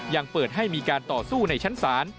ยังเปิดให้มีการต่อสู้ในชั้นศาล